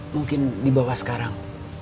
mungkin dibawa sekarang